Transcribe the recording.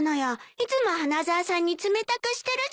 いつも花沢さんに冷たくしてるじゃないの。